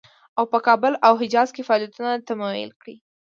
او په کابل او حجاز کې فعالیتونه تمویل کړي.